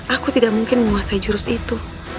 aku tidak mungkin menguasai jurus itu